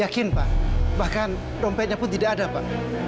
yakin pak bahkan dompetnya pun tidak ada pak